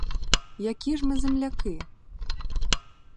Які ж ми земляки?